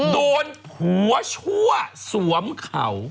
โดนผัวชั่วสวมเขา